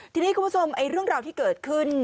ทีนี้คุณผู้ชมเรื่องราวที่เกิดขึ้น